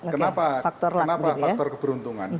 kenapa faktor keberuntungan